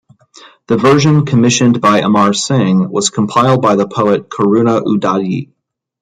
The version commissioned by Amar Singh was compiled by the poet Karuna-udadhi.